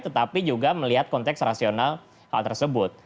tetapi juga melihat konteks rasional hal tersebut